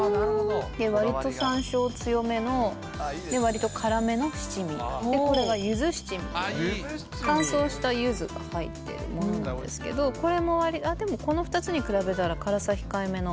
わりとさんしょう強めの割と辛めの七味、これがゆず七味で、乾燥したゆずが入っているものなんですけど、これも、でもこの２つに比べたら、辛さ控えめの。